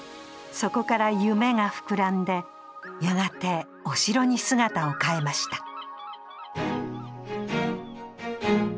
そこから夢が膨らんでやがてお城に姿を変えました